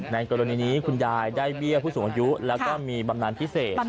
ในกรณีนี้คุณยายได้เบี้ยผู้สูงอายุแล้วก็มีบำนานพิเศษ